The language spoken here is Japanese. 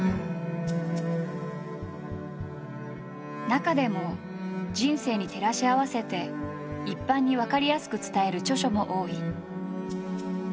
中でも人生に照らし合わせて一般にわかりやすく伝える著書も多い。